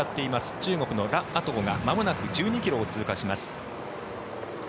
中国のラ・アトウがまもなく１２ｋｍを通過します。